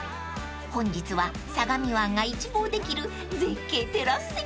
［本日は相模湾が一望できる絶景テラス